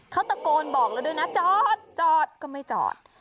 เขาตะโกนบอกเราด้วยนะจอดจอดก็ไม่จอด